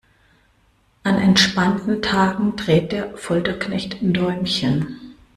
An entspannten Tagen dreht der Folterknecht Däumchen.